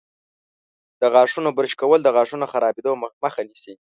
د غاښونو برش کول د غاښونو خرابیدو مخه نیسي.